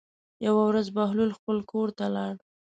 یوه ورځ بهلول خپل کور ته لاړ.